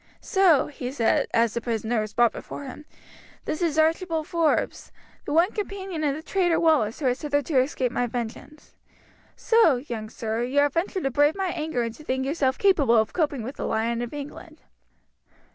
"So," he said as the prisoner was brought before him, "this is Archibald Forbes, the one companion of the traitor Wallace who has hitherto escaped my vengeance. So, young sir, you have ventured to brave my anger and to think yourself capable of coping with the Lion of England."